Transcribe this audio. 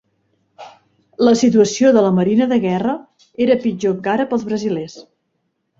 La situació de la marina de guerra era pitjor encara pels brasilers.